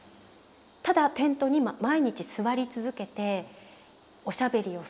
ただテントに毎日座り続けておしゃべりをするだけの生活。